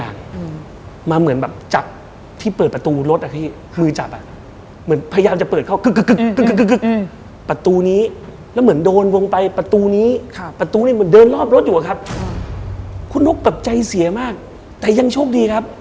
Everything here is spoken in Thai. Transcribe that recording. ในตอนนั้นคุณนกบอกว่า